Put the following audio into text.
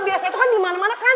biasanya tuh kan dimana mana kanan